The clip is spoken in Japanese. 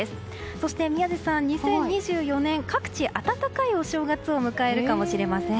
そして宮司さん、２０２４年各地、温かいお正月を迎えるかもしれません。